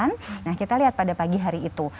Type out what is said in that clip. nah kita lihat pada pagi hari itu